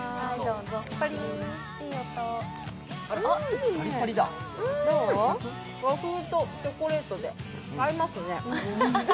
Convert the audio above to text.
うーん、和風とチョコレートで合いますね。